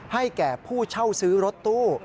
แก่ผู้เช่าซื้อรถตู้